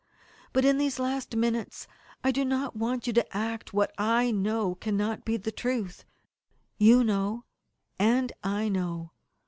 But in these last minutes I do not want you to act what I know cannot be the truth. You know and I know.